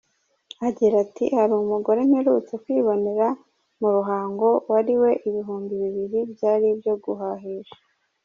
Agira ati “Hari umugore mperutse kwibonera mu Ruhango wariwe ibihumbi bibiri byari ibyo guhahisha.